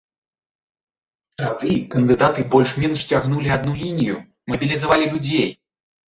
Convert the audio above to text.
Тады кандыдаты больш-менш цягнулі адну лінію, мабілізавалі людзей.